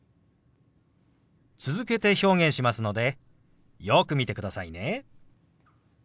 続けて表現しますのでよく見てくださいね。